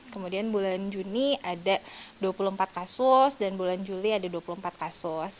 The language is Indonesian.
kemudian bulan juni ada dua puluh empat kasus dan bulan juli ada dua puluh empat kasus